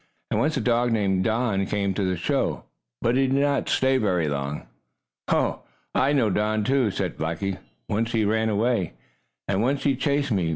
And once a dog named Don came to the show, but he did not stay very long." "Oh, I know Don, too," said Blackie. "Once he ran away, and once he chased me.